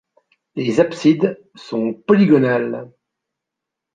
Les absides sont polygonales.